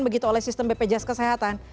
begitu oleh sistem bpjs kesehatan